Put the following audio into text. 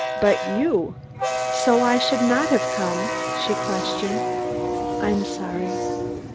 But you!" "So I should not have come?" she questioned. "I'm sorry."